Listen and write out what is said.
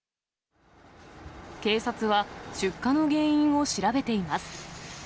警察は出火の原因を調べています。